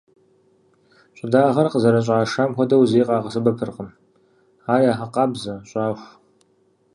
Щӏыдагъэр къызэрыщӏашам хуэдэу зэи къагъэсэбэпыркъым, ар ягъэкъабзэ, щӏаху.